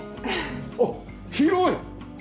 あっ広い！